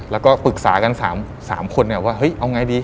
แล้วก็ปรึกษากัน๓คนว่าเอาไงดี